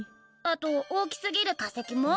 あと大きすぎる化石も？